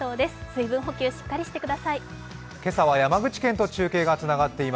水分補給、しっかりしてください。